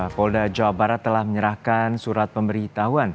polda jawa barat telah menyerahkan surat pemberitahuan